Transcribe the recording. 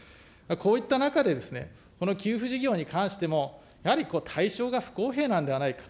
こういった中でですね、この給付事業に関しても、やはり対象が不公平なんではないか。